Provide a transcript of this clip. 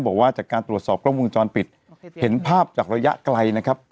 บอกว่าจากการตรวจสอบกล้องวงจรปิดเห็นภาพจากระยะไกลนะครับ